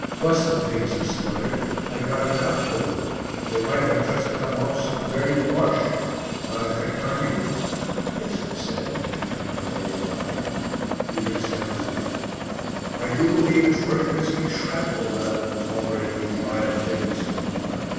"Bust the things!" he spluttered. "I got a mouthful of them! They might have just come off some dirty Bosche. Got a drink on you?" "Yes," I said, and handed him my water bottle. He rinsed out his mouth. "I do believe it's worth risking shrapnel rather than tolerate these vile things!" he remarked.